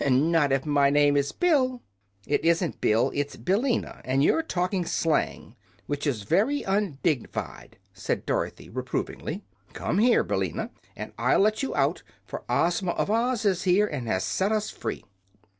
Not if my name is Bill!" "It isn't Bill, it's Billina; and you're talking slang, which is very undig'n'fied," said Dorothy, reprovingly. "Come here, Billina, and I'll let you out; for Ozma of Oz is here, and has set us free."